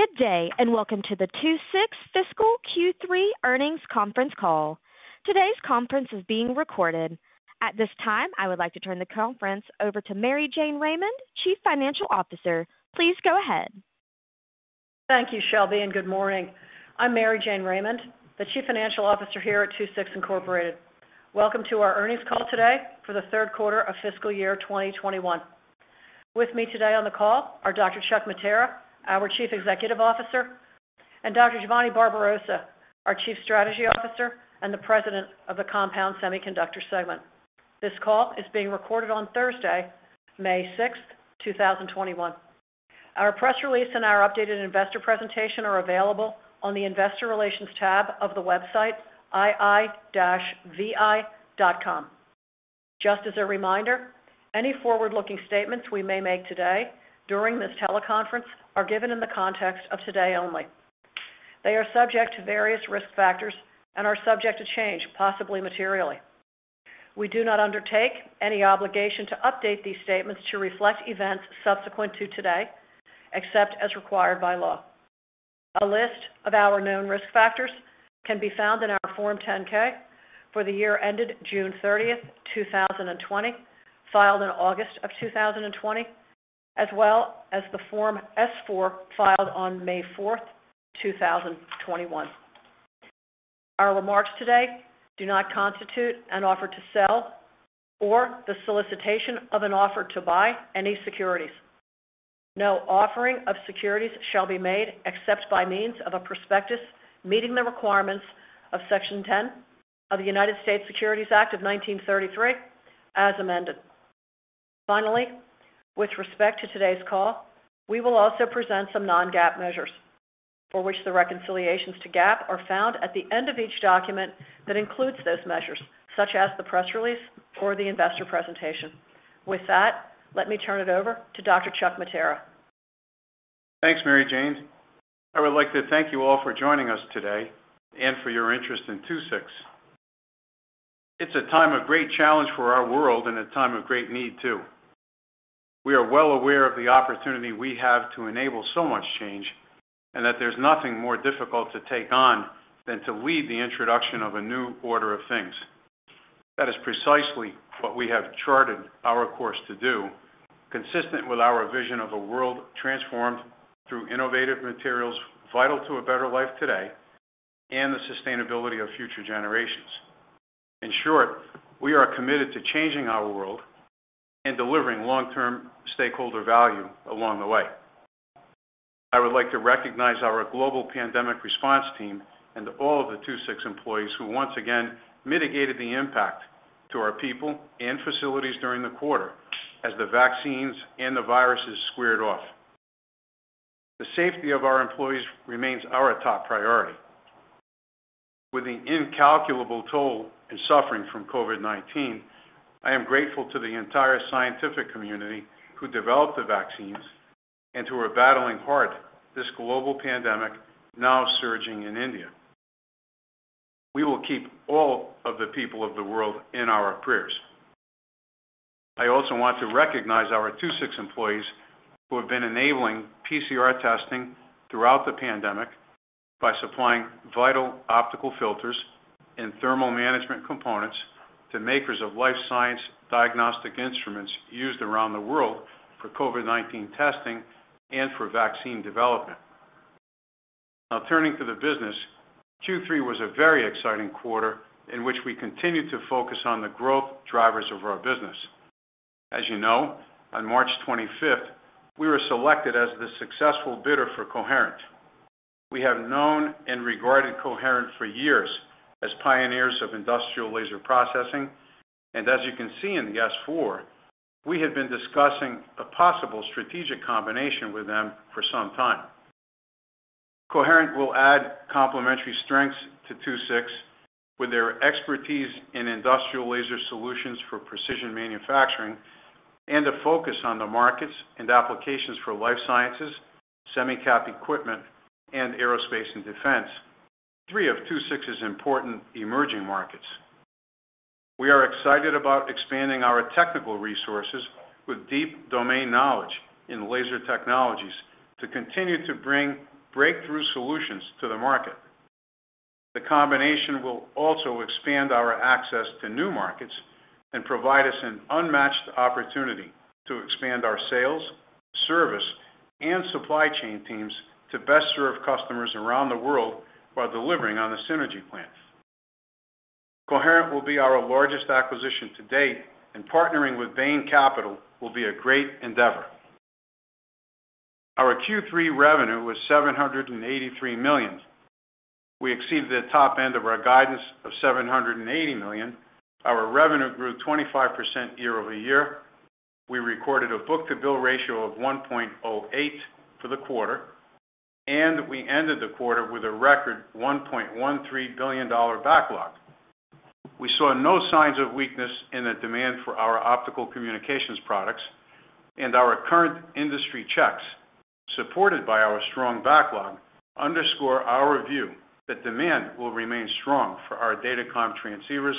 Good day. Welcome to the II-VI Fiscal Q3 Earnings Conference Call. Today's conference is being recorded. At this time, I would like to turn the conference over to Mary Jane Raymond, Chief Financial Officer. Please go ahead. Thank you, Shelby. Good morning. I'm Mary Jane Raymond, the Chief Financial Officer here at II-VI Incorporated. Welcome to our earnings call today for the third quarter of fiscal year 2021. With me today on the call are Dr. Chuck Mattera, our Chief Executive Officer. Dr. Giovanni Barbarossa, our Chief Strategy Officer and the President of the Compound Semiconductor Segment. This call is being recorded on Thursday, May 6, 2021. Our press release and our updated investor presentation are available on the investor relations tab of the website ii-vi.com. Just as a reminder, any forward-looking statements we may make today during this teleconference are given in the context of today only. They are subject to various risk factors and are subject to change, possibly materially. We do not undertake any obligation to update these statements to reflect events subsequent to today, except as required by law. A list of our known risk factors can be found in our Form 10-K for the year ended June 30, 2020, filed in August of 2020, as well as the Form S-4 filed on May 4, 2021. Our remarks today do not constitute an offer to sell or the solicitation of an offer to buy any securities. No offering of securities shall be made except by means of a prospectus meeting the requirements of Section 10 of the United States Securities Act of 1933 as amended. With respect to today's call, we will also present some non-GAAP measures for which the reconciliations to GAAP are found at the end of each document that includes those measures, such as the press release or the investor presentation. With that, let me turn it over to Dr. Chuck Mattera. Thanks, Mary Jane. I would like to thank you all for joining us today and for your interest in II-VI. It's a time of great challenge for our world and a time of great need, too. We are well aware of the opportunity we have to enable so much change, and that there's nothing more difficult to take on than to lead the introduction of a new order of things. That is precisely what we have charted our course to do, consistent with our vision of a world transformed through innovative materials vital to a better life today and the sustainability of future generations. In short, we are committed to changing our world and delivering long-term stakeholder value along the way. I would like to recognize our global pandemic response team and all of the II-VI employees who once again mitigated the impact to our people and facilities during the quarter as the vaccines and the viruses squared off. The safety of our employees remains our top priority. With the incalculable toll and suffering from COVID-19, I am grateful to the entire scientific community who developed the vaccines and who are battling hard this global pandemic now surging in India. We will keep all of the people of the world in our prayers. I also want to recognize our II-VI employees who have been enabling PCR testing throughout the pandemic by supplying vital optical filters and thermal management components to makers of life science diagnostic instruments used around the world for COVID-19 testing and for vaccine development. Turning to the business, Q3 was a very exciting quarter in which we continued to focus on the growth drivers of our business. As you know, on March 25th, we were selected as the successful bidder for Coherent. We have known and regarded Coherent for years as pioneers of industrial laser processing. As you can see in the S-4, we had been discussing a possible strategic combination with them for some time. Coherent will add complementary strengths to II-VI with their expertise in industrial laser solutions for precision manufacturing and a focus on the markets and applications for life sciences, semi cap equipment, and aerospace and defense, three of II-VI's important emerging markets. We are excited about expanding our technical resources with deep domain knowledge in laser technologies to continue to bring breakthrough solutions to the market. The combination will also expand our access to new markets and provide us an unmatched opportunity to expand our sales, service, and supply chain teams to best serve customers around the world while delivering on the synergy plan. Coherent will be our largest acquisition to date. Partnering with Bain Capital will be a great endeavor. Our Q3 revenue was $783 million. We exceeded the top end of our guidance of $780 million. Our revenue grew 25% year-over-year. We recorded a book-to-bill ratio of 1.08 for the quarter. We ended the quarter with a record $1.13 billion backlog. We saw no signs of weakness in the demand for our optical communications products, and our current industry checks, supported by our strong backlog, underscore our view that demand will remain strong for our data com transceivers,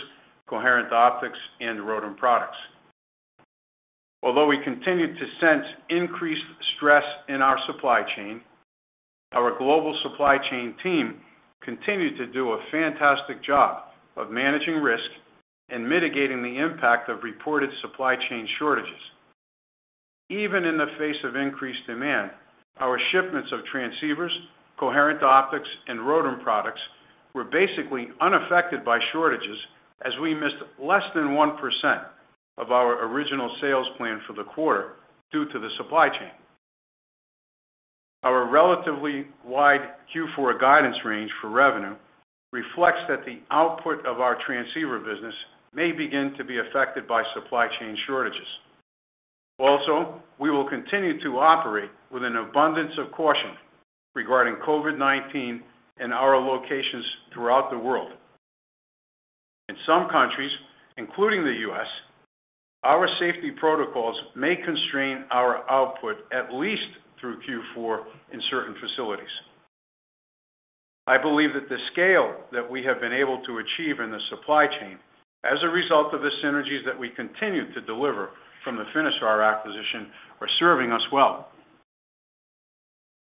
coherent optics, and ROADM products. Although we continued to sense increased stress in our supply chain, our global supply chain team continued to do a fantastic job of managing risk and mitigating the impact of reported supply chain shortages. Even in the face of increased demand, our shipments of transceivers, coherent optics, and ROADM products were basically unaffected by shortages, as we missed less than 1% of our original sales plan for the quarter due to the supply chain. Our relatively wide Q4 guidance range for revenue reflects that the output of our transceiver business may begin to be affected by supply chain shortages. We will continue to operate with an abundance of caution regarding COVID-19 in our locations throughout the world. In some countries, including the U.S., our safety protocols may constrain our output at least through Q4 in certain facilities. I believe that the scale that we have been able to achieve in the supply chain, as a result of the synergies that we continue to deliver from the Finisar acquisition, are serving us well.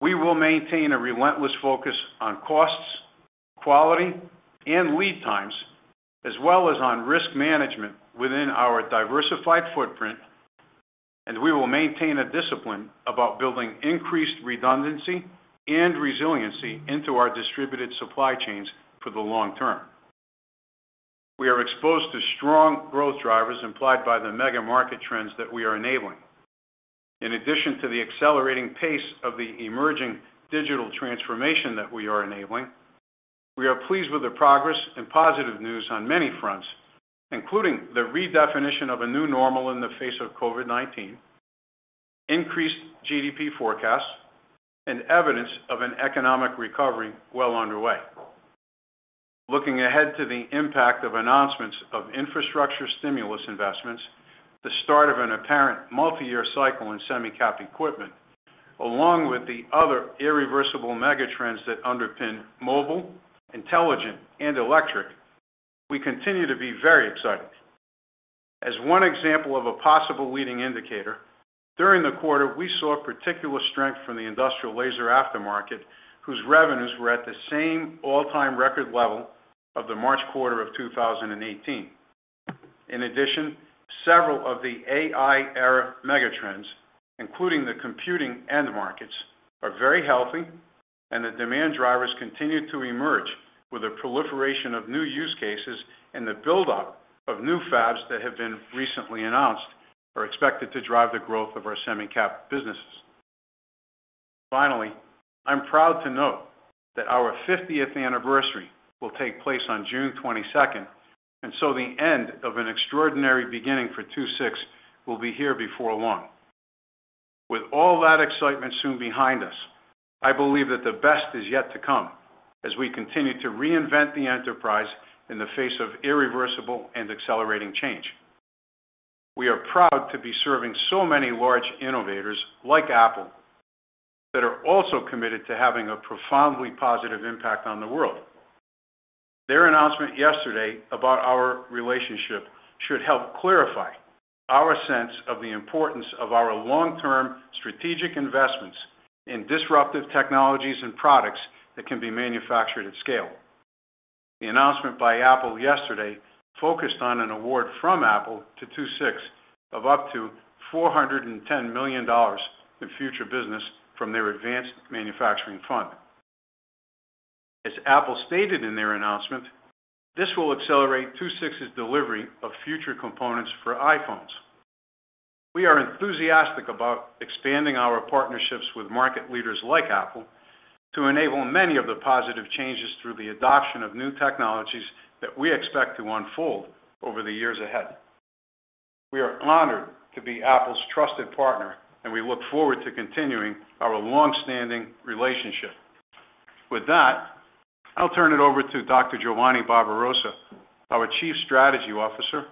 We will maintain a relentless focus on costs, quality, and lead times, as well as on risk management within our diversified footprint. We will maintain a discipline about building increased redundancy and resiliency into our distributed supply chains for the long term. We are exposed to strong growth drivers implied by the mega market trends that we are enabling. In addition to the accelerating pace of the emerging digital transformation that we are enabling, we are pleased with the progress and positive news on many fronts, including the redefinition of a new normal in the face of COVID-19, increased GDP forecasts, and evidence of an economic recovery well underway. Looking ahead to the impact of announcements of infrastructure stimulus investments, the start of an apparent multiyear cycle in semi cap equipment, along with the other irreversible megatrends that underpin mobile, intelligent, and electric, we continue to be very excited. As one example of a possible leading indicator, during the quarter, we saw particular strength from the industrial laser aftermarket, whose revenues were at the same all-time record level of the March quarter of 2018. Several of the AI era megatrends, including the computing end markets, are very healthy, and the demand drivers continue to emerge with the proliferation of new use cases and the buildup of new fabs that have been recently announced, are expected to drive the growth of our semi cap businesses. I'm proud to note that our 50th anniversary will take place on June 22nd, the end of an extraordinary beginning for II-VI will be here before long. With all that excitement soon behind us, I believe that the best is yet to come as we continue to reinvent the enterprise in the face of irreversible and accelerating change. We are proud to be serving so many large innovators like Apple that are also committed to having a profoundly positive impact on the world. Their announcement yesterday about our relationship should help clarify our sense of the importance of our long-term strategic investments in disruptive technologies and products that can be manufactured at scale. The announcement by Apple yesterday focused on an award from Apple to II-VI of up to $410 million in future business from their Advanced Manufacturing Fund. As Apple stated in their announcement, this will accelerate II-VI's delivery of future components for iPhones. We are enthusiastic about expanding our partnerships with market leaders like Apple to enable many of the positive changes through the adoption of new technologies that we expect to unfold over the years ahead. We are honored to be Apple's trusted partner, and we look forward to continuing our longstanding relationship. With that, I'll turn it over to Dr. Giovanni Barbarossa, our Chief Strategy Officer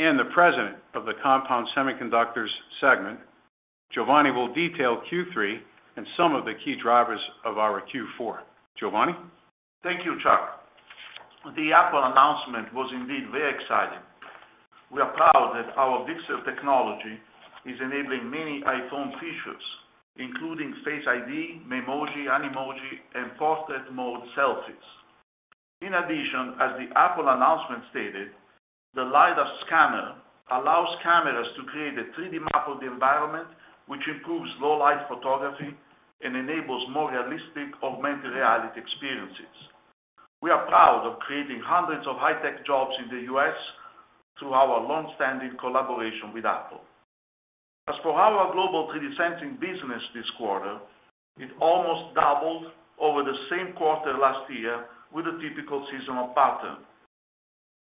and the President of the Compound Semiconductors segment. Giovanni will detail Q3 and some of the key drivers of our Q4. Giovanni? Thank you, Chuck. The Apple announcement was indeed very exciting. We are proud that our VCSEL technology is enabling many iPhone features, including Face ID, Memoji, Animoji, and portrait mode selfies. In addition, as the Apple announcement stated, the LiDAR scanner allows cameras to create a 3D map of the environment, which improves low-light photography and enables more realistic augmented reality experiences. We are proud of creating hundreds of high-tech jobs in the U.S. through our longstanding collaboration with Apple. As for our global 3D sensing business this quarter, it almost doubled over the same quarter last year with a typical seasonal pattern.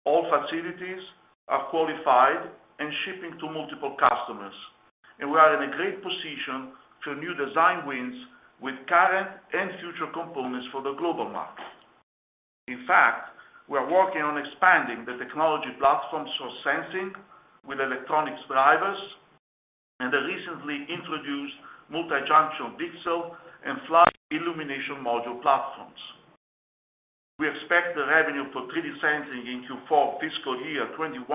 All facilities are qualified and shipping to multiple customers, and we are in a great position to new design wins with current and future components for the global market. In fact, we are working on expanding the technology platform source sensing with electronics drivers and the recently introduced multi-junction VCSEL and flood illumination module platforms. We expect the revenue for 3D sensing in Q4 fiscal year 2021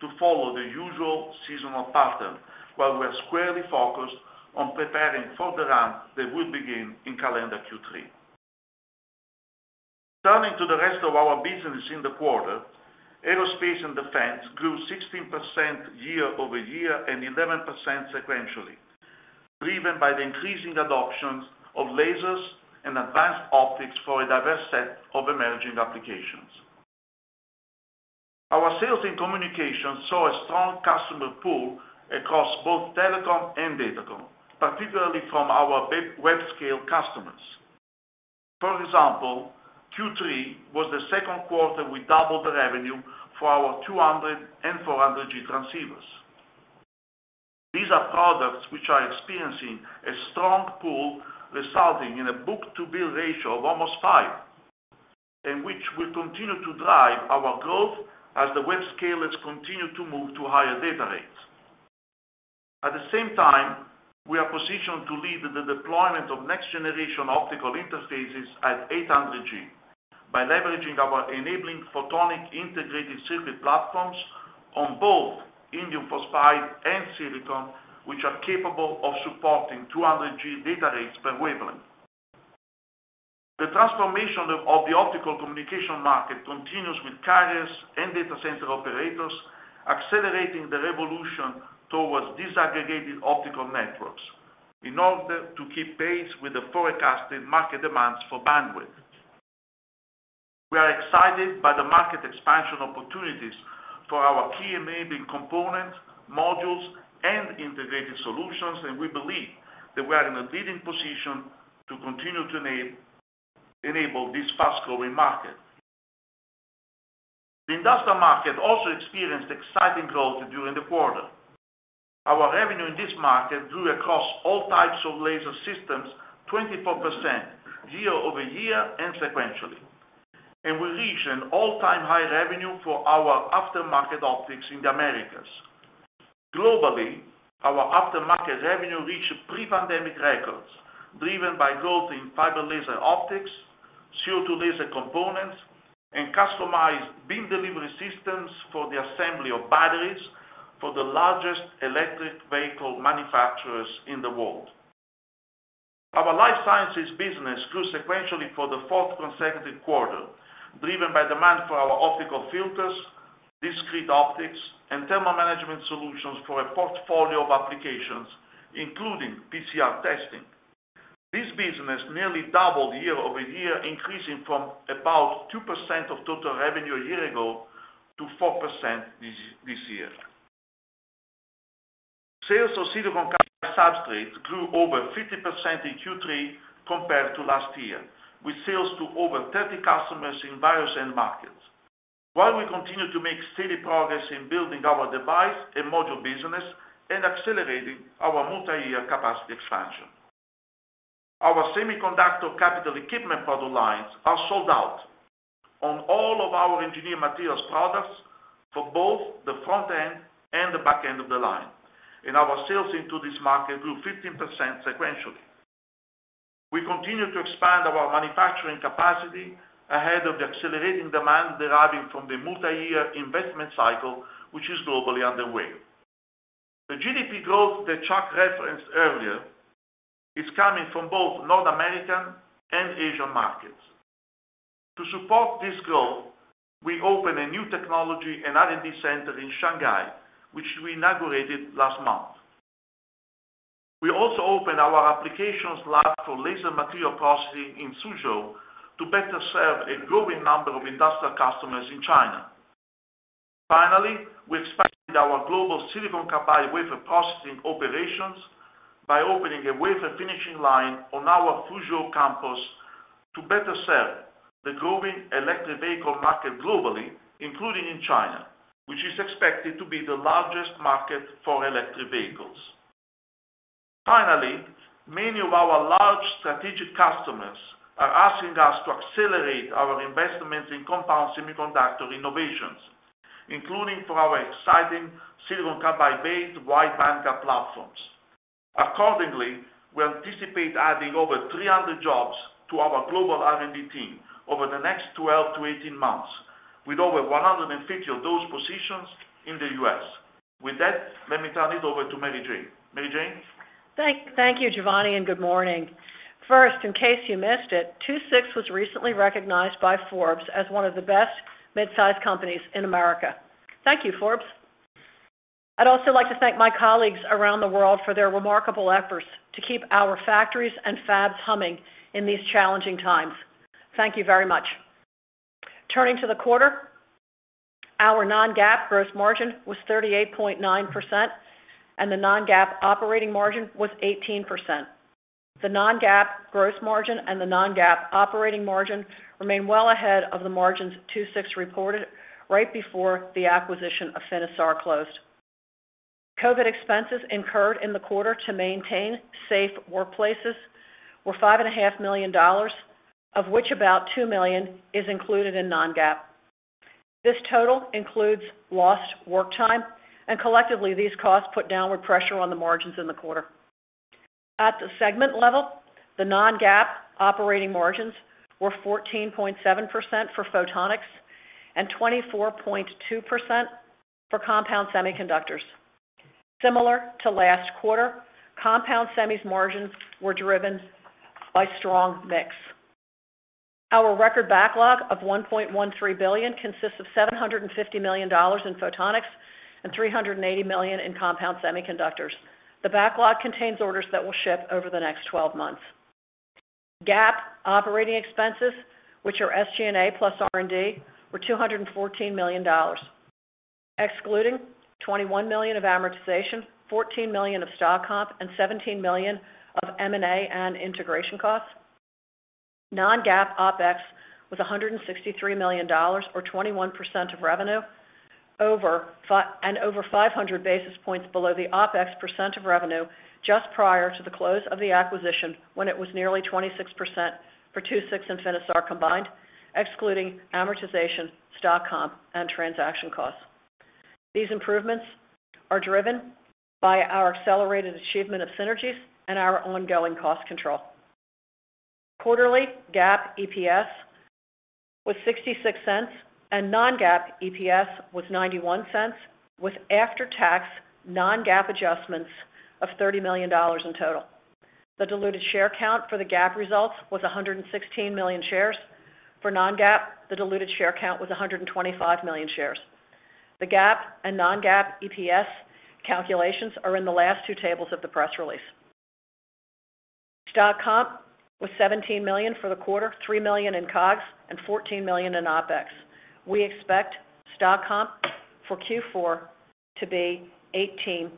to follow the usual seasonal pattern, while we're squarely focused on preparing for the ramp that will begin in calendar Q3. Turning to the rest of our business in the quarter, aerospace and defense grew 16% year-over-year and 11% sequentially, driven by the increasing adoption of lasers and advanced optics for a diverse set of emerging applications. Our sales and communication saw a strong customer pull across both telecom and datacom, particularly from our big web scale customers. For example, Q3 was the second quarter we doubled the revenue for our 200 and 400G transceivers. These are products which are experiencing a strong pull resulting in a book-to-bill ratio of almost five, and which will continue to drive our growth as the web scalers continue to move to higher data rates. At the same time, we are positioned to lead the deployment of next-generation optical interfaces at 800G by leveraging our enabling photonic integrated circuit platforms on both indium phosphide and silicon, which are capable of supporting 200G data rates per wavelength. The transformation of the optical communication market continues with carriers and data center operators accelerating the revolution towards disaggregated optical networks in order to keep pace with the forecasted market demands for bandwidth. We are excited by the market expansion opportunities for our key enabling component, modules, and integrated solutions, and we believe that we are in a leading position to continue to enable this fast-growing market. The industrial market also experienced exciting growth during the quarter. Our revenue in this market grew across all types of laser systems 24% year-over-year and sequentially. We reached an all-time high revenue for our aftermarket optics in the Americas. Globally, our aftermarket revenue reached pre-pandemic records, driven by growth in fiber laser optics, CO2 laser components, and customized beam delivery systems for the assembly of batteries for the largest electric vehicle manufacturers in the world. Our life sciences business grew sequentially for the fourth consecutive quarter, driven by demand for our optical filters, discrete optics, and thermal management solutions for a portfolio of applications, including PCR testing. This business nearly doubled year-over-year, increasing from about 2% of total revenue a year ago to 4% this year. Sales of silicon carbide substrates grew over 50% in Q3 compared to last year, with sales to over 30 customers in various end markets. While we continue to make steady progress in building our device and module business and accelerating our multi-year capacity expansion. Our semiconductor capital equipment product lines are sold out on all of our engineered materials products for both the front end and the back end of the line, and our sales into this market grew 15% sequentially. We continue to expand our manufacturing capacity ahead of the accelerating demand deriving from the multi-year investment cycle, which is globally underway. The GDP growth that Chuck referenced earlier is coming from both North American and Asian markets. To support this growth, we opened a new technology and R&D center in Shanghai, which we inaugurated last month. We also opened our applications lab for laser material processing in Suzhou to better serve a growing number of industrial customers in China. Finally, we expanded our global silicon carbide wafer processing operations by opening a wafer finishing line on our Fuzhou campus to better serve the growing electric vehicle market globally, including in China, which is expected to be the largest market for electric vehicles. Finally, many of our large strategic customers are asking us to accelerate our investments in compound semiconductor innovations, including for our exciting silicon carbide-based wide bandgap platforms. Accordingly, we anticipate adding over 300 jobs to our global R&D team over the next 12 to 18 months, with over 150 of those positions in the U.S. With that, let me turn it over to Mary Jane. Mary Jane? Thank you, Giovanni. Good morning. First, in case you missed it, II-VI was recently recognized by Forbes as one of the best midsize companies in America. Thank you, Forbes. I'd also like to thank my colleagues around the world for their remarkable efforts to keep our factories and fabs humming in these challenging times. Thank you very much. Turning to the quarter, our non-GAAP gross margin was 38.9%, and the non-GAAP operating margin was 18%. The non-GAAP gross margin and the non-GAAP operating margin remain well ahead of the margins II-VI reported right before the acquisition of Finisar closed. COVID expenses incurred in the quarter to maintain safe workplaces were $5.5 million, of which about $2 million is included in non-GAAP. This total includes lost work time, and collectively, these costs put downward pressure on the margins in the quarter. At the segment level, the non-GAAP operating margins were 14.7% for Photonics and 24.2% for Compound Semiconductors. Similar to last quarter, Compound Semi's margins were driven by strong mix. Our record backlog of $1.13 billion consists of $750 million in Photonics and $380 million in Compound Semiconductors. The backlog contains orders that will ship over the next 12 months. GAAP operating expenses, which are SG&A plus R&D, were $214 million. Excluding $21 million of amortization, $14 million of stock comp, and $17 million of M&A and integration costs, non-GAAP OpEx was $163 million or 21% of revenue, and over 500 basis points below the OpEx percent of revenue just prior to the close of the acquisition when it was nearly 26% for II-VI and Finisar combined, excluding amortization, stock comp, and transaction costs. These improvements are driven by our accelerated achievement of synergies and our ongoing cost control. Quarterly GAAP EPS was $0.66, and non-GAAP EPS was $0.91, with after-tax non-GAAP adjustments of $30 million in total. The diluted share count for the GAAP results was 116 million shares. For non-GAAP, the diluted share count was 125 million shares. The GAAP and non-GAAP EPS calculations are in the last two tables of the press release. Stock comp was $17 million for the quarter, $3 million in COGS, and $14 million in OpEx. We expect stock comp for Q4 to be $18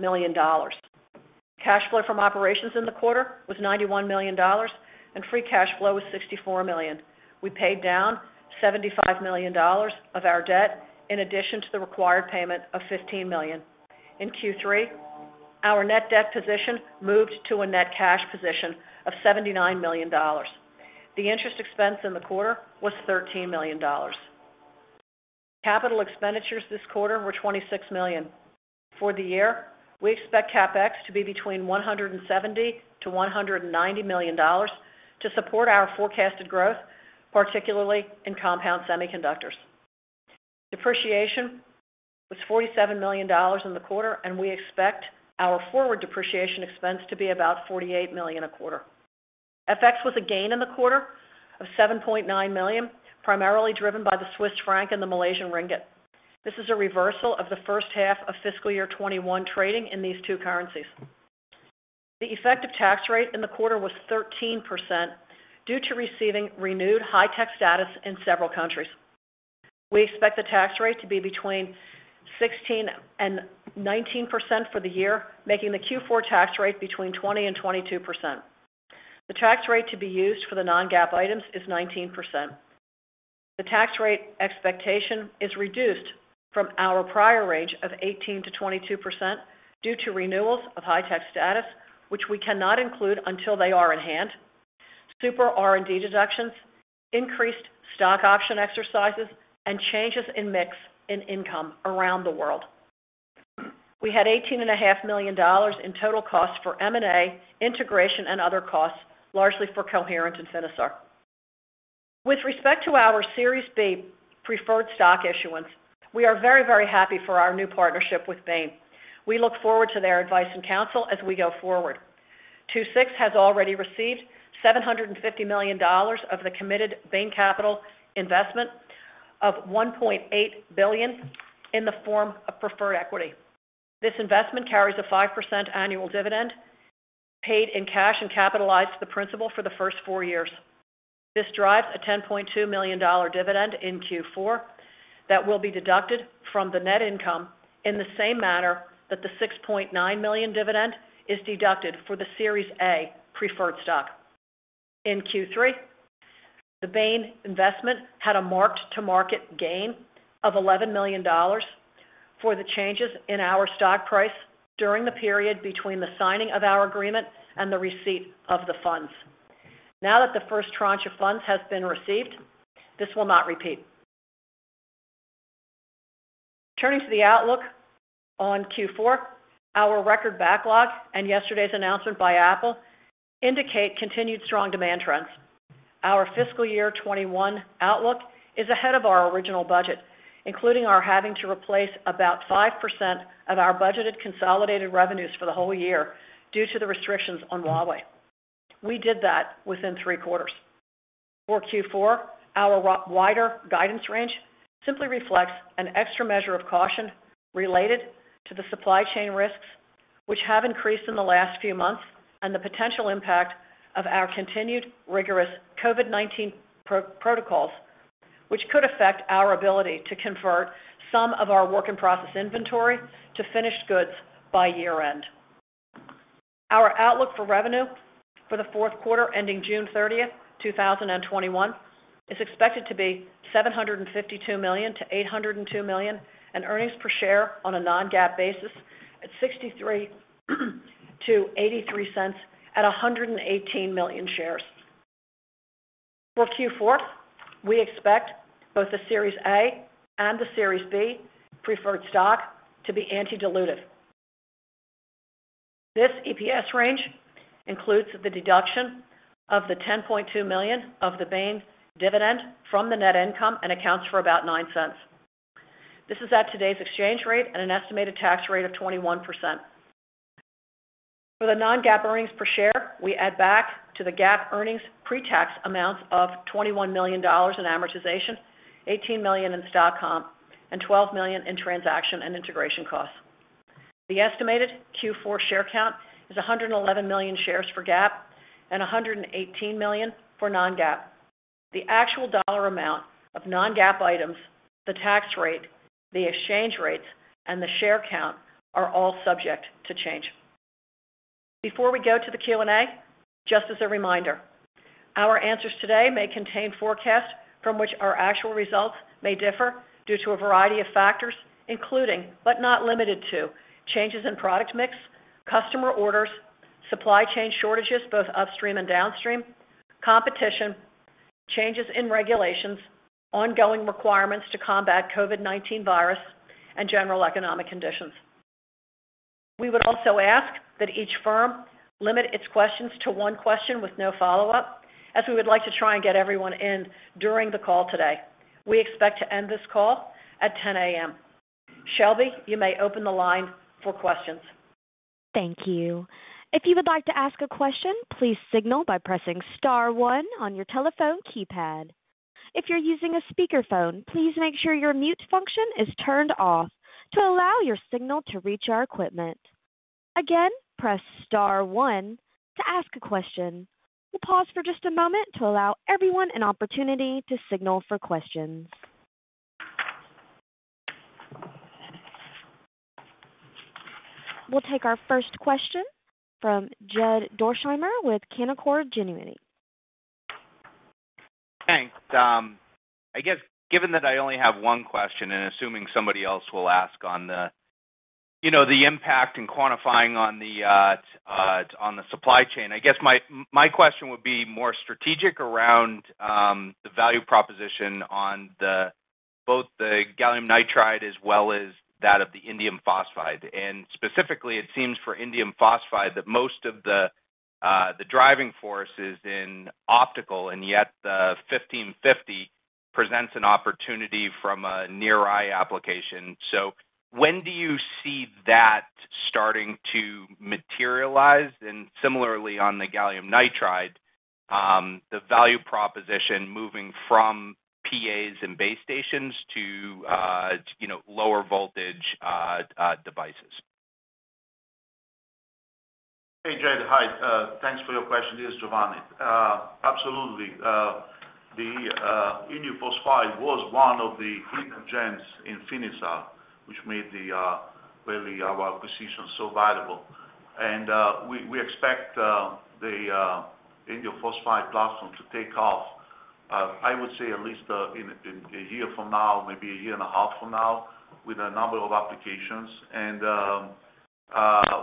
million. Cash flow from operations in the quarter was $91 million, and free cash flow was $64 million. We paid down $75 million of our debt in addition to the required payment of $15 million. In Q3, our net debt position moved to a net cash position of $79 million. The interest expense in the quarter was $13 million. Capital expenditures this quarter were $26 million. For the year, we expect CapEx to be between $170 million-$190 million to support our forecasted growth, particularly in Compound Semiconductors. Depreciation was $47 million in the quarter, and we expect our forward depreciation expense to be about $48 million a quarter. FX was a gain in the quarter of $7.9 million, primarily driven by the CHF and the MYR. This is a reversal of the first half of fiscal year 2021 trading in these two currencies. The effective tax rate in the quarter was 13% due to receiving renewed high tech status in several countries. We expect the tax rate to be between 16% and 19% for the year, making the Q4 tax rate between 20% and 22%. The tax rate to be used for the non-GAAP items is 19%. The tax rate expectation is reduced from our prior range of 18%-22% due to renewals of high tech status, which we cannot include until they are in hand, super R&D deductions, increased stock option exercises, and changes in mix in income around the world. We had $18.5 million in total costs for M&A, integration, and other costs, largely for Coherent and Finisar. With respect to our Series B preferred stock issuance, we are very happy for our new partnership with Bain. We look forward to their advice and counsel as we go forward. II-VI has already received $750 million of the committed Bain Capital investment of $1.8 billion in the form of preferred equity. This investment carries a 5% annual dividend paid in cash and capitalized to the principal for the first four years. This drives a $10.2 million dividend in Q4 that will be deducted from the net income in the same manner that the $6.9 million dividend is deducted for the Series A preferred stock. In Q3, the Bain investment had a mark-to-market gain of $11 million for the changes in our stock price during the period between the signing of our agreement and the receipt of the funds. Now that the first tranche of funds has been received, this will not repeat. Turning to the outlook on Q4, our record backlog and yesterday's announcement by Apple indicate continued strong demand trends. Our fiscal year 2021 outlook is ahead of our original budget, including our having to replace about 5% of our budgeted consolidated revenues for the whole year due to the restrictions on Huawei. We did that within three quarters. For Q4, our wider guidance range simply reflects an extra measure of caution related to the supply chain risks, which have increased in the last few months, and the potential impact of our continued rigorous COVID-19 protocols, which could affect our ability to convert some of our work-in-process inventory to finished goods by year end. Our outlook for revenue for the fourth quarter ending June 30th, 2021, is expected to be $752 million-$802 million, and earnings per share on a non-GAAP basis at $0.63-$0.83 at 118 million shares. For Q4, we expect both the Series A preferred stock and the Series B preferred stock to be anti-dilutive. This EPS range includes the deduction of the $10.2 million of the Bain dividend from the net income and accounts for about $0.09. This is at today's exchange rate and an estimated tax rate of 21%. For the non-GAAP earnings per share, we add back to the GAAP earnings pre-tax amounts of $21 million in amortization, $18 million in stock comp, and $12 million in transaction and integration costs. The estimated Q4 share count is 111 million shares for GAAP and 118 million for non-GAAP. The actual dollar amount of non-GAAP items, the tax rate, the exchange rates, and the share count are all subject to change. Before we go to the Q&A, just as a reminder, our answers today may contain forecasts from which our actual results may differ due to a variety of factors, including, but not limited to, changes in product mix, customer orders, supply chain shortages, both upstream and downstream, competition, changes in regulations, ongoing requirements to combat COVID-19 virus, and general economic conditions. We would also ask that each firm limit its questions to one question with no follow-up, as we would like to try and get everyone in during the call today. We expect to end this call at 10:00 A.M. Shelby, you may open the line for questions. Thank you. If you would like to ask a question, please signal by pressing star one on your telephone keypad. If you're using a speakerphone, please make sure your mute function is turned off to allow your signal to reach our equipment. Again, press star one to ask a question. We'll pause for just a moment to allow everyone an opportunity to signal for questions. We'll take our first question from Jed Dorsheimer with Canaccord Genuity. Thanks. I guess given that I only have one question and assuming somebody else will ask on the impact and quantifying on the supply chain, I guess my question would be more strategic around the value proposition on both the gallium nitride as well as that of the indium phosphide. Specifically, it seems for indium phosphide that most of the driving force is in optical, and yet the 1550 presents an opportunity from a near-eye application. When do you see that starting to materialize? Similarly, on the gallium nitride, the value proposition moving from PAs and base stations to lower voltage devices. Hey, Jed. Hi. Thanks for your question. This is Giovanni. Absolutely. The indium phosphide was one of the hidden gems in Finisar, which made our position so valuable. We expect the indium phosphide platform to take off, I would say at least in a year from now, maybe a year and a half from now, with a number of applications.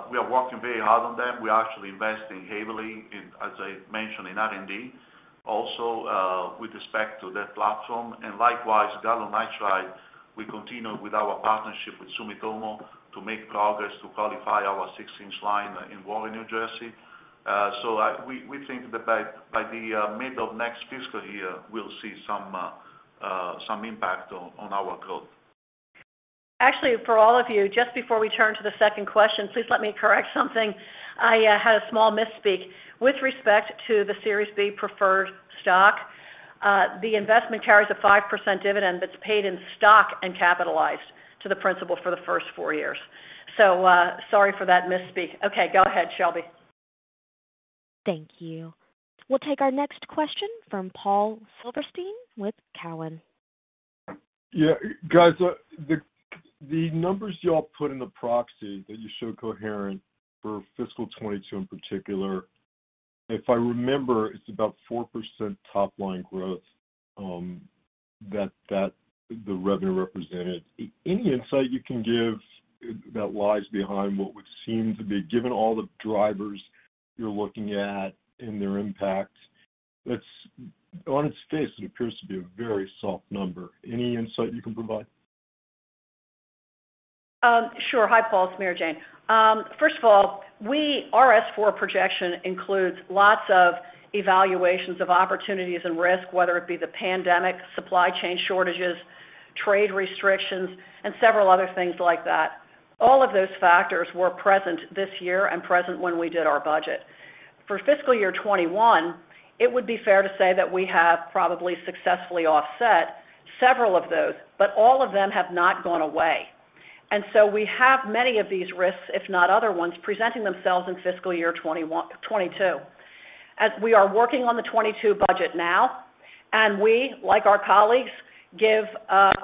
We are working very hard on them. We are actually investing heavily in, as I mentioned, in R&D also with respect to that platform. Likewise, gallium nitride, we continue with our partnership with Sumitomo to make progress to qualify our 6-inch line in Warren, New Jersey. We think that by the mid of next fiscal year, we'll see some impact on our growth. Actually, for all of you, just before we turn to the second question, please let me correct something. I had a small misspeak. With respect to the Series B preferred stock, the investment carries a 5% dividend that is paid in stock and capitalized to the principal for the first four years. Sorry for that misspeak. Okay, go ahead, Shelby. Thank you. We'll take our next question from Paul Silverstein with Cowen. Yeah. Guys, the numbers you all put in the proxy that you showed Coherent for fiscal 2022 in particular, if I remember, it's about 4% top-line growth that the revenue represented. Any insight you can give that lies behind what would seem to be, given all the drivers you're looking at and their impact, on its face, it appears to be a very soft number. Any insight you can provide? Sure. Hi, Paul. It's Mary Jane. First of all, our S4 projection includes lots of evaluations of opportunities and risk, whether it be the pandemic, supply chain shortages, trade restrictions, and several other things like that. All of those factors were present this year and present when we did our budget. For fiscal year 2021, it would be fair to say that we have probably successfully offset several of those, but all of them have not gone away. We have many of these risks, if not other ones, presenting themselves in fiscal year 2022. As we are working on the 2022 budget now, we, like our colleagues, give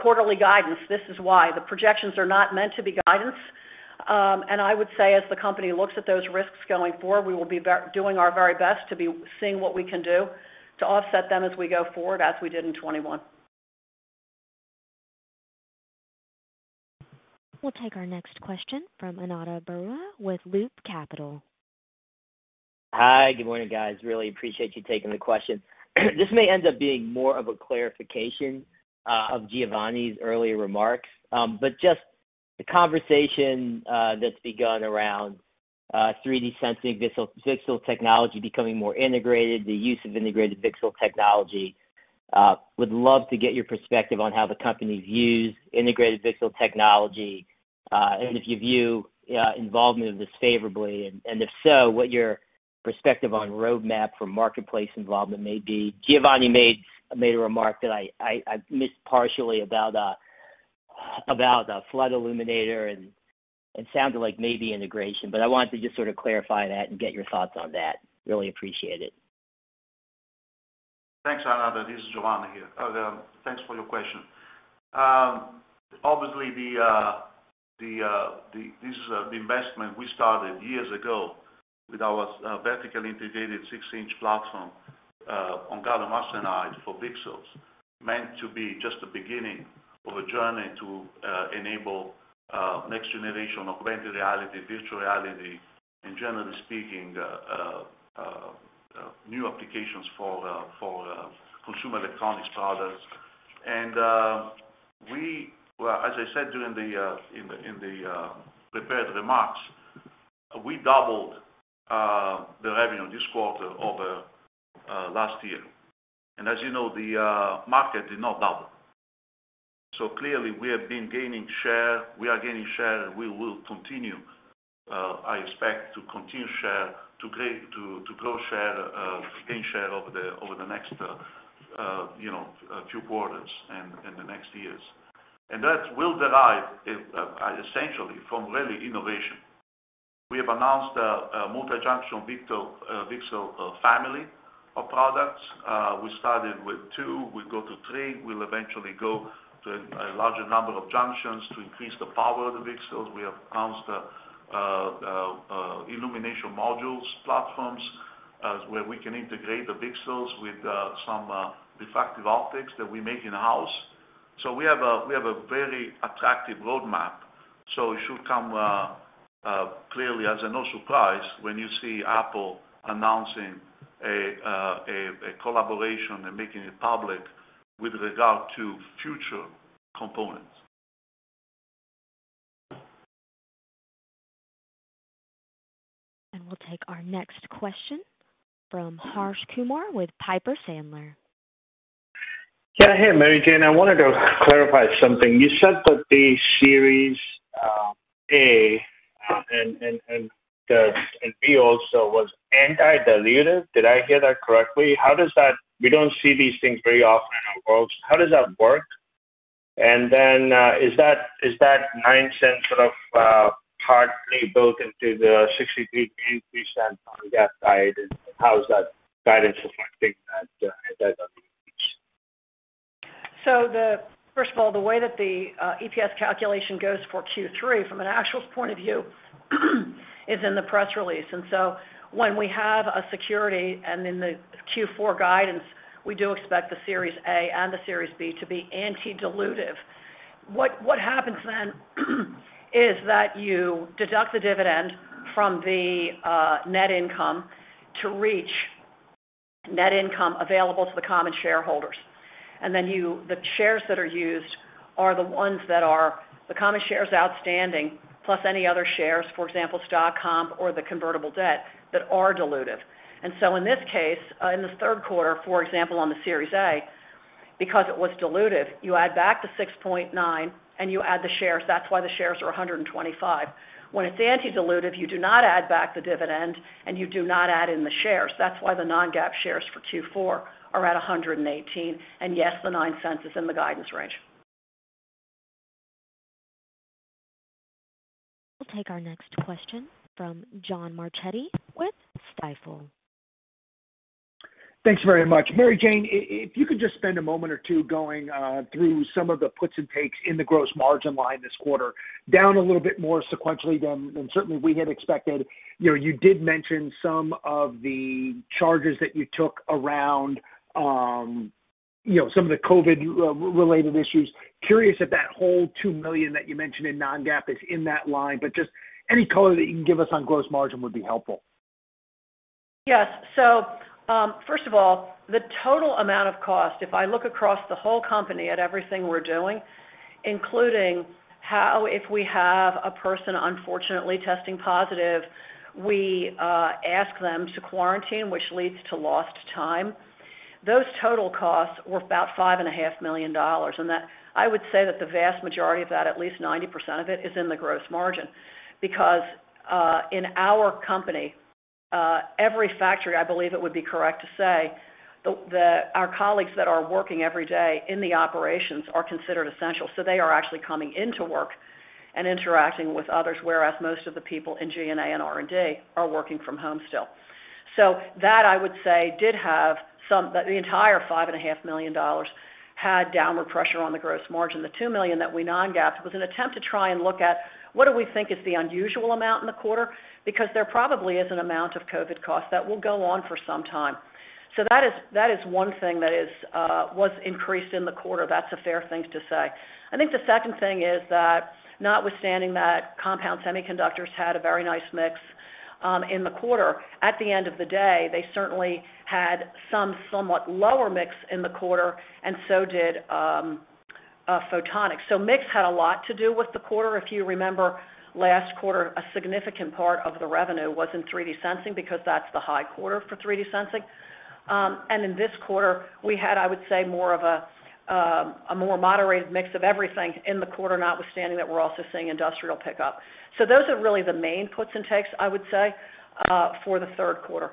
quarterly guidance. This is why. The projections are not meant to be guidance. I would say as the company looks at those risks going forward, we will be doing our very best to be seeing what we can do to offset them as we go forward, as we did in 2021. We'll take our next question from Ananda Baruah with Loop Capital. Hi, good morning, guys. Really appreciate you taking the question. This may end up being more of a clarification of Giovanni's earlier remarks, but just the conversation that's begun around 3D sensing VCSEL technology becoming more integrated, the use of integrated VCSEL technology. Would love to get your perspective on how the company's views integrated VCSEL technology, and if you view involvement of this favorably, and if so, what your perspective on roadmap for marketplace involvement may be. Giovanni made a remark that I missed partially about a flood illuminator, and it sounded like maybe integration, but I wanted to just sort of clarify that and get your thoughts on that. Really appreciate it. Thanks, Ananda. This is Giovanni here. Thanks for your question. Obviously, this is the investment we started years ago with our vertically integrated 6-inch platform on gallium arsenide for VCSELs, meant to be just the beginning of a journey to enable next generation of augmented reality, virtual reality, generally speaking, new applications for consumer electronics products. As I said during the prepared remarks, we doubled the revenue this quarter over last year. As you know, the market did not double. Clearly, we have been gaining share, we are gaining share, and we will continue. I expect to gain share over the next few quarters and the next years. That will derive essentially from really innovation. We have announced a multi-junction VCSEL family of products. We started with two, we go to three. We'll eventually go to a larger number of junctions to increase the power of the VCSELs. We have announced illumination modules platforms, where we can integrate the VCSELs with some refractive optics that we make in-house. We have a very attractive roadmap. It should come clearly as no surprise when you see Apple announcing a collaboration and making it public with regard to future components. We'll take our next question from Harsh Kumar with Piper Sandler. Yeah. Hey, Mary Jane, I wanted to clarify something. You said that the Series A, and B also, was anti-dilutive. Did I hear that correctly? We don't see these things very often in our world. How does that work? Is that $0.09 sort of partly built into the $0.63, gain cent on the GAAP side, and how is that guidance reflecting that as well? First of all, the way that the EPS calculation goes for Q3, from an actual point of view, is in the press release. When we have a security and in the Q4 guidance, we do expect the Series A and the Series B to be anti-dilutive. What happens then is that you deduct the dividend from the net income to reach net income available to the common shareholders. Then the shares that are used are the ones that are the common shares outstanding, plus any other shares, for example, stock comp or the convertible debt, that are dilutive. In this case, in Q3, for example, on the Series A, because it was dilutive, you add back the $6.9 and you add the shares. That's why the shares are 125. When it's anti-dilutive, you do not add back the dividend, and you do not add in the shares. That's why the non-GAAP shares for Q4 are at 118. Yes, the $0.09 is in the guidance range. We'll take our next question from John Marchetti with Stifel. Thanks very much. Mary Jane, if you could just spend a moment or two going through some of the puts and takes in the gross margin line this quarter. Down a little bit more sequentially than certainly we had expected. You did mention some of the charges that you took around some of the COVID-related issues. Curious if that whole $2 million that you mentioned in non-GAAP is in that line. Just any color that you can give us on gross margin would be helpful. Yes. First of all, the total amount of cost, if I look across the whole company at everything we're doing, including how if we have a person unfortunately testing positive, we ask them to quarantine, which leads to lost time. Those total costs were about $5.5 million. I would say that the vast majority of that, at least 90% of it, is in the gross margin. Because, in our company, every factory, I believe it would be correct to say, that our colleagues that are working every day in the operations are considered essential. They are actually coming into work and interacting with others, whereas most of the people in G&A and R&D are working from home still. That I would say the entire $5.5 million had downward pressure on the gross margin. The $2 million that we non-GAAPed was an attempt to try and look at what do we think is the unusual amount in the quarter? There probably is an amount of COVID costs that will go on for some time. That is one thing that was increased in the quarter. That's a fair thing to say. I think the second thing is that notwithstanding that Compound Semiconductors had a very nice mix in the quarter, at the end of the day, they certainly had some somewhat lower mix in the quarter, and so did Photonics. Mix had a lot to do with the quarter. If you remember last quarter, a significant part of the revenue was in 3D sensing because that's the high quarter for 3D sensing. In this quarter, we had, I would say, more of a more moderated mix of everything in the quarter, notwithstanding that we're also seeing industrial pickup. Those are really the main puts and takes, I would say, for the third quarter.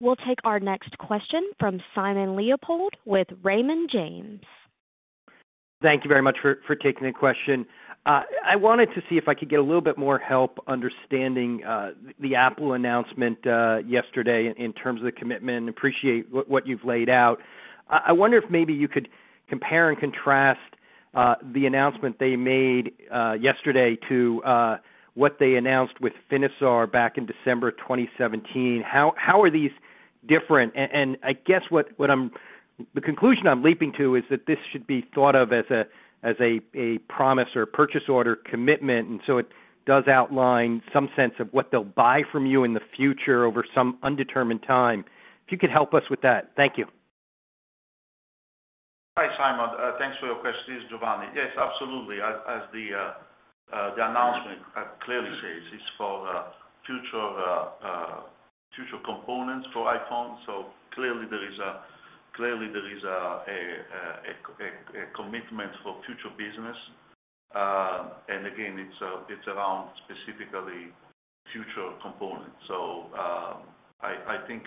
We'll take our next question from Simon Leopold with Raymond James. Thank you very much for taking the question. I wanted to see if I could get a little bit more help understanding the Apple announcement yesterday in terms of the commitment, and appreciate what you've laid out. I wonder if maybe you could compare and contrast the announcement they made yesterday to what they announced with Finisar back in December 2017. How are these different? I guess, the conclusion I'm leaping to is that this should be thought of as a promise or a purchase order commitment, and so it does outline some sense of what they'll buy from you in the future over some undetermined time. If you could help us with that. Thank you. Hi, Simon. Thanks for your question. This is Giovanni. Yes, absolutely. As the announcement clearly says, it's for future components for iPhone. Clearly there is a commitment for future business. Again, it's around specifically future components. I think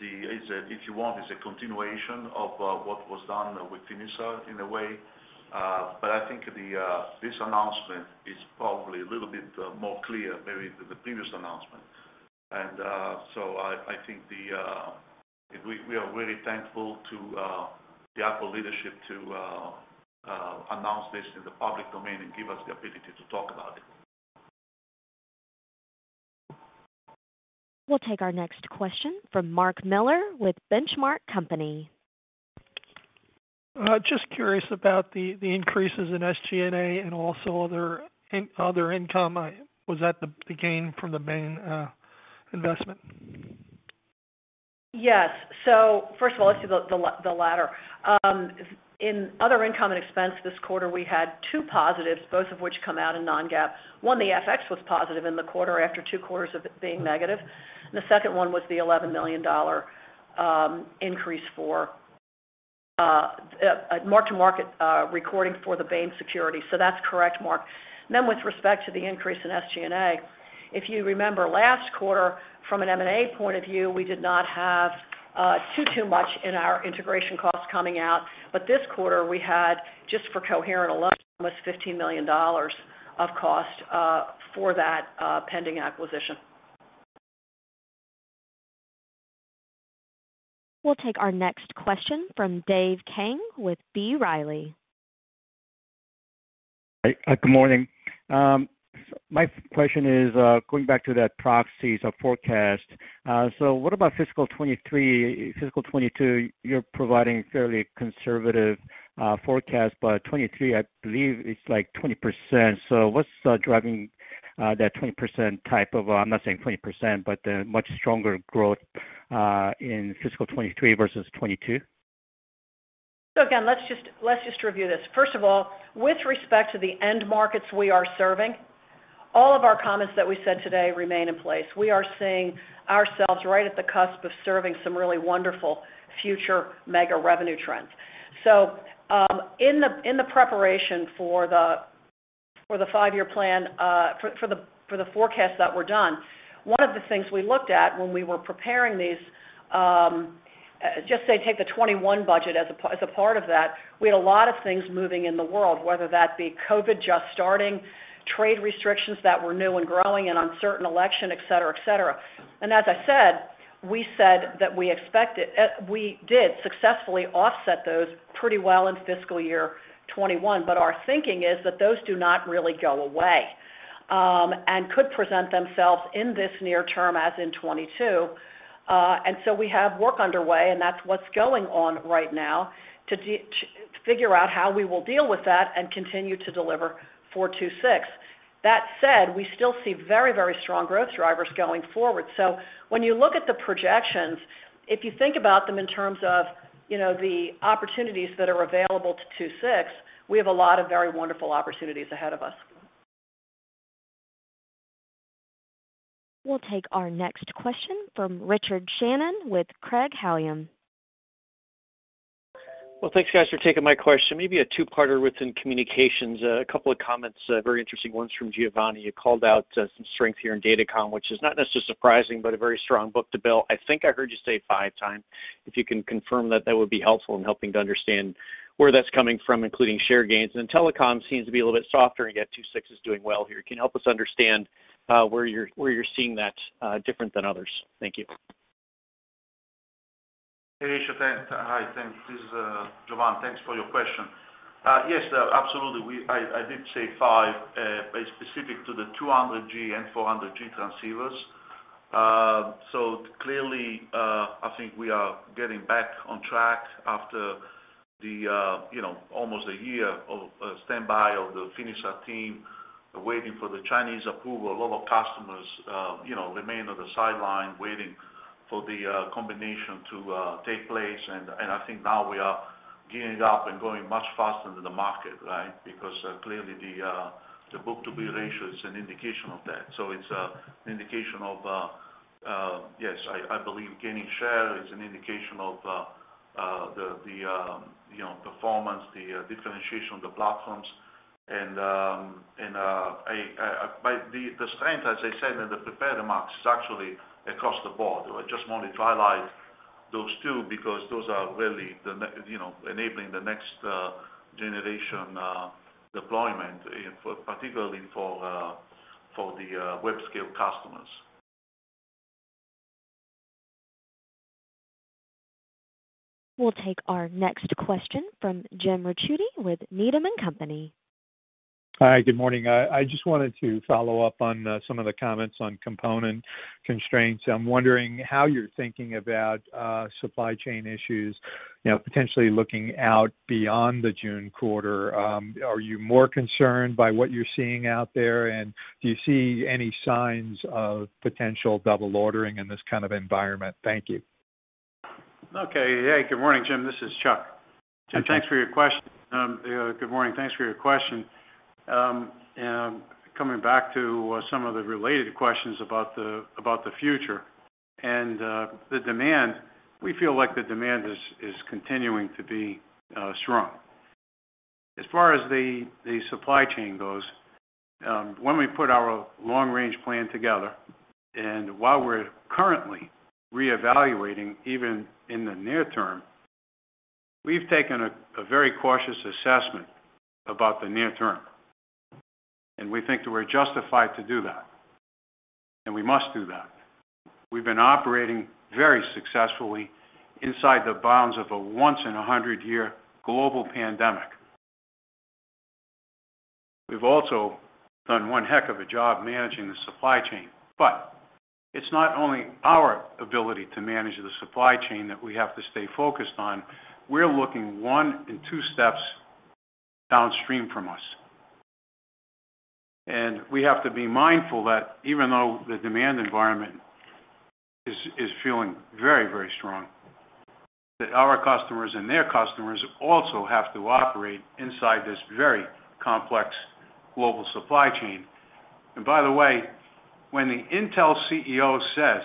if you want, it's a continuation of what was done with Finisar in a way. I think this announcement is probably a little bit more clear maybe than the previous announcement. I think we are really thankful to the Apple leadership to announce this in the public domain and give us the ability to talk about it. We'll take our next question from Mark Miller with Benchmark Company. Just curious about the increases in SG&A and also other income. Was that the gain from the Bain investment? Yes. First of all, let's do the latter. In other income and expense this quarter, we had two positives, both of which come out in non-GAAP. One, the FX was positive in the quarter after two quarters of it being negative, and the second one was the $11 million increase for mark-to-market recording for the Bain security. That's correct, Mark. With respect to the increase in SG&A, if you remember last quarter, from an M&A point of view, we did not have too much in our integration costs coming out. This quarter, we had, just for Coherent alone, almost $15 million of cost for that pending acquisition. We'll take our next question from Dave Kang with B. Riley. Good morning. My question is going back to that proxies or forecast. What about fiscal 2023? Fiscal 2022, you're providing fairly conservative forecast, but 2023, I believe it's like 20%. What's driving that 20% type of, I'm not saying 20%, but the much stronger growth in fiscal 2023 versus 2022? Again, let's just review this. First of all, with respect to the end markets we are serving, all of our comments that we said today remain in place. We are seeing ourselves right at the cusp of serving some really wonderful future mega revenue trends. In the preparation for the five-year plan, for the forecasts that were done, one of the things we looked at when we were preparing these, just say take the 2021 budget as a part of that, we had a lot of things moving in the world, whether that be COVID just starting, trade restrictions that were new and growing, an uncertain election, et cetera. As I said, we said that we expected we did successfully offset those pretty well in fiscal year 2021. Our thinking is that those do not really go away, and could present themselves in this near term as in 2022. We have work underway, and that's what's going on right now to figure out how we will deal with that and continue to deliver II-VI. That said, we still see very strong growth drivers going forward. When you look at the projections, if you think about them in terms of the opportunities that are available to II.VI, we have a lot of very wonderful opportunities ahead of us. We'll take our next question from Richard Shannon with Craig-Hallum. Well, thanks guys for taking my question. Maybe a two-parter within communications. A couple of comments, very interesting ones from Giovanni. You called out some strength here in Datacom, which is not necessarily surprising, but a very strong book-to-bill. I think I heard you say five times. If you can confirm that would be helpful in helping to understand where that's coming from, including share gains. Telecom seems to be a little bit softer, yet 2.26 is doing well here. Can you help us understand where you're seeing that different than others? Thank you. Hey, Shannon. Hi, thanks. This is Giovanni. Thanks for your question. Yes, absolutely. I did say five specific to the 200G and 400G transceivers. Clearly, I think we are getting back on track after almost a year of standby of the Finisar team waiting for the Chinese approval. A lot of customers remained on the sideline waiting for the combination to take place, I think now we are gearing up and going much faster than the market, right? Clearly, the book-to-bill ratio is an indication of that. It's an indication of, yes, I believe gaining share is an indication of the performance, the differentiation of the platforms. The strength, as I said in the prepared remarks, is actually across the board. I just wanted to highlight those two because those are really enabling the next generation deployment, particularly for the web-scale customers. We'll take our next question from James Ricchiuti with Needham & Company. Hi, good morning. I just wanted to follow up on some of the comments on component constraints. I'm wondering how you're thinking about supply chain issues, potentially looking out beyond the June quarter. Are you more concerned by what you're seeing out there, and do you see any signs of potential double ordering in this kind of environment? Thank you. Okay. Hey, good morning, James. This is Chuck. Hi, Vincent D. Mattera, Jr. James, thanks for your question. Good morning. Thanks for your question. Coming back to some of the related questions about the future and the demand, we feel like the demand is continuing to be strong. As far as the supply chain goes, when we put our long-range plan together, while we're currently reevaluating, even in the near term, we've taken a very cautious assessment about the near term, we think that we're justified to do that, we must do that. We've been operating very successfully inside the bounds of a once-in-100-year global pandemic. We've also done one heck of a job managing the supply chain. It's not only our ability to manage the supply chain that we have to stay focused on. We're looking one and two steps downstream from us, we have to be mindful that even though the demand environment is feeling very, very strong, that our customers and their customers also have to operate inside this very complex global supply chain. By the way, when the Intel CEO says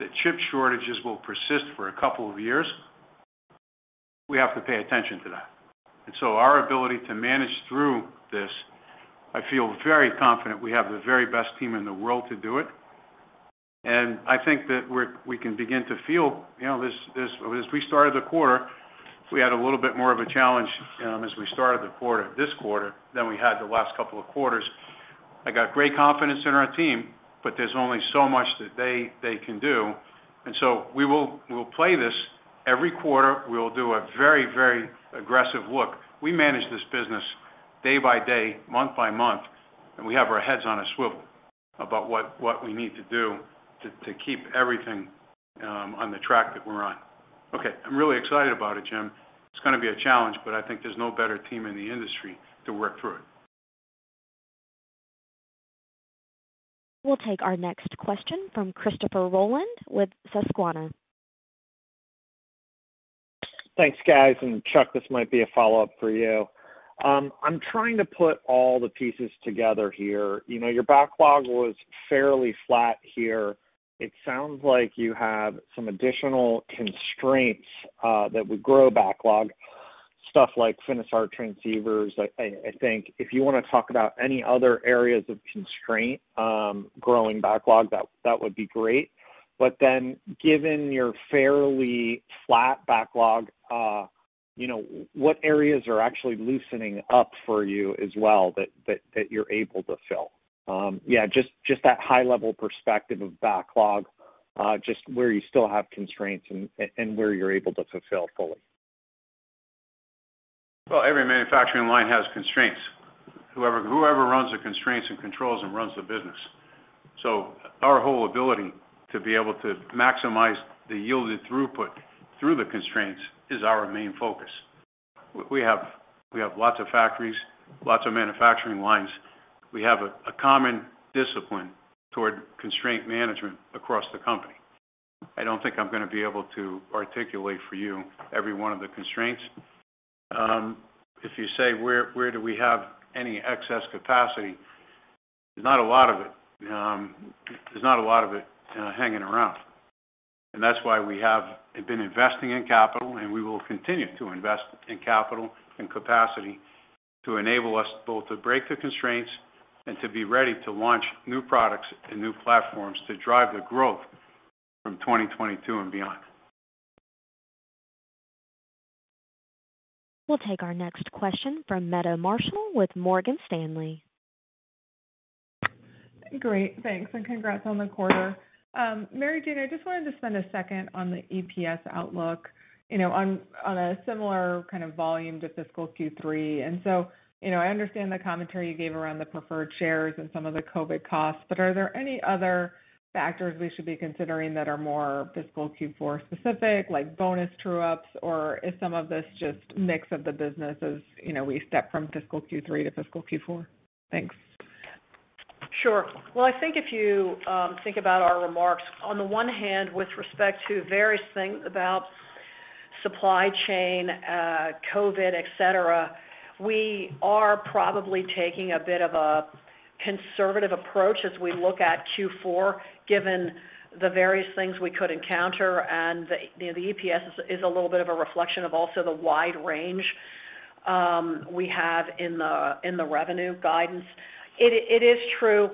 that chip shortages will persist for a couple of years, we have to pay attention to that. Our ability to manage through this, I feel very confident we have the very best team in the world to do it, and I think that we can begin to feel, as we started the quarter, we had a little bit more of a challenge as we started the quarter, this quarter, than we had the last couple of quarters. I got great confidence in our team, but there's only so much that they can do, and so we will play this every quarter. We'll do a very aggressive look. We manage this business day by day, month by month, and we have our heads on a swivel about what we need to do to keep everything on the track that we're on. Okay. I'm really excited about it, Jim. It's going to be a challenge, but I think there's no better team in the industry to work through it. We'll take our next question from Christopher Rolland with Susquehanna. Thanks, guys. Chuck, this might be a follow-up for you. I'm trying to put all the pieces together here. Your backlog was fairly flat here. It sounds like you have some additional constraints that would grow backlog, stuff like Finisar transceivers, I think. If you want to talk about any other areas of constraint growing backlog, that would be great. Given your fairly flat backlog, what areas are actually loosening up for you as well that you're able to fill? Yeah, just that high-level perspective of backlog, just where you still have constraints and where you're able to fulfill fully. Well, every manufacturing line has constraints. Whoever runs the constraints and controls and runs the business. Our whole ability to be able to maximize the yielded throughput through the constraints is our main focus. We have lots of factories, lots of manufacturing lines. We have a common discipline toward constraint management across the company. I don't think I'm going to be able to articulate for you every one of the constraints. If you say, where do we have any excess capacity? There's not a lot of it hanging around. That's why we have been investing in capital, and we will continue to invest in capital and capacity to enable us both to break the constraints and to be ready to launch new products and new platforms to drive the growth from 2022 and beyond. We'll take our next question from Meta Marshall with Morgan Stanley. Great. Thanks, and congrats on the quarter. Mary Jane, I just wanted to spend a second on the EPS outlook on a similar kind of volume to fiscal Q3. I understand the commentary you gave around the preferred shares and some of the COVID costs, but are there any other factors we should be considering that are more fiscal Q4 specific, like bonus true-ups? Is some of this just mix of the businesses, we step from fiscal Q3 to fiscal Q4? Thanks. Sure. Well, I think if you think about our remarks, on the one hand, with respect to various things about supply chain, COVID-19, et cetera, we are probably taking a bit of a conservative approach as we look at Q4, given the various things we could encounter. The EPS is a little bit of a reflection of also the wide range we have in the revenue guidance. It is true,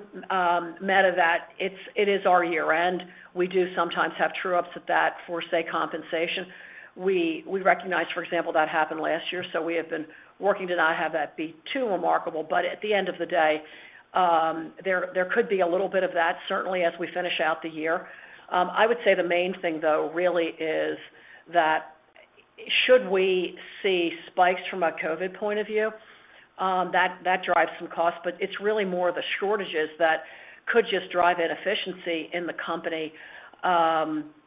Meta, that it is our year-end. We do sometimes have true-ups at that for, say, compensation. We recognize, for example, that happened last year, so we have been working to not have that be too remarkable. At the end of the day, there could be a little bit of that certainly as we finish out the year. I would say the main thing, though, really is that should we see spikes from a COVID-19 point of view, that drives some costs, but it's really more the shortages that could just drive inefficiency in the company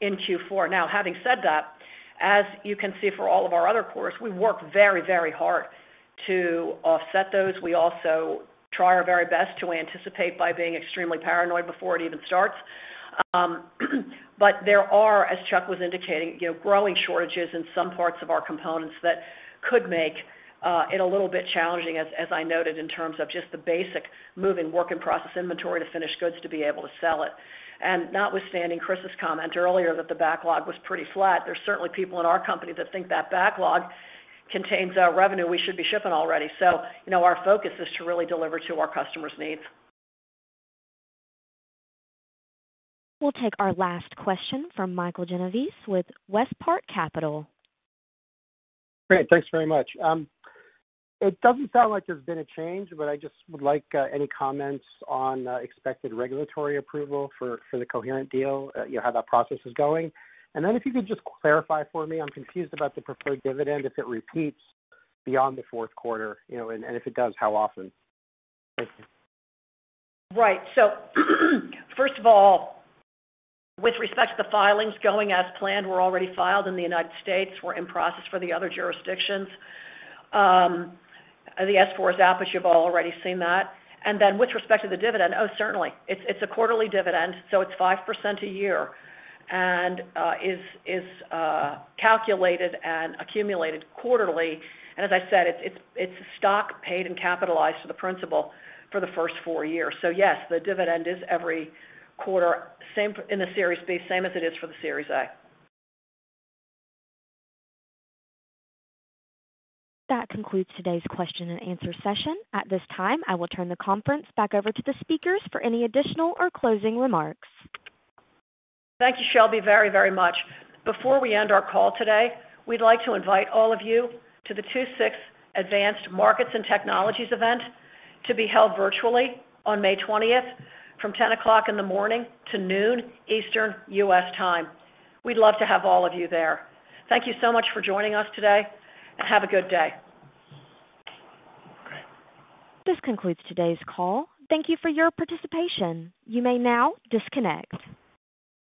in Q4. Having said that, as you can see for all of our other quarters, we work very hard to offset those. We also try our very best to anticipate by being extremely paranoid before it even starts. There are, as Chuck was indicating, growing shortages in some parts of our components that could make it a little bit challenging, as I noted, in terms of just the basic moving work in process inventory to finished goods to be able to sell it. Notwithstanding Chris's comment earlier that the backlog was pretty flat, there's certainly people in our company that think that backlog contains our revenue we should be shipping already. Our focus is to really deliver to our customers' needs. We'll take our last question from Michael Genovese with WestPark Capital. Great. Thanks very much. It doesn't sound like there's been a change, but I just would like any comments on expected regulatory approval for the Coherent deal, how that process is going. If you could just clarify for me, I'm confused about the preferred dividend, if it repeats beyond the fourth quarter, and if it does, how often? Thanks. Right. First of all, with respect to the filings going as planned, we're already filed in the U.S. We're in process for the other jurisdictions. The S-4 is out, you've all already seen that. With respect to the dividend, certainly. It's a quarterly dividend, so it's 5% a year, and is calculated and accumulated quarterly. As I said, it's stock paid and capitalized to the principal for the first four years. Yes, the dividend is every quarter in the Series B, same as it is for the Series A. That concludes today's question-and-answer session. At this time, I will turn the conference back over to the speakers for any additional or closing remarks. Thank you, Shelby, very much. Before we end our call today, we'd like to invite all of you to the II-VI Advanced Markets and Technologies Event to be held virtually on May 20th from 10:00 A.M. to noon Eastern U.S. time. We'd love to have all of you there. Thank you so much for joining us today, and have a good day. Okay. This concludes today's call. Thank you for your participation. You may now disconnect.